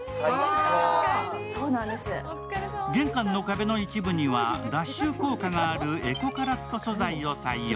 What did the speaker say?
玄関の壁の一部には脱臭効果があるエコカラット素材を採用。